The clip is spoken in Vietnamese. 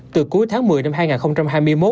từ cuối tháng một mươi năm hai nghìn hai mươi một